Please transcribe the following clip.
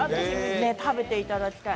食べていただきたい。